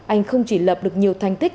anh không chỉ lập được nhiều thành tích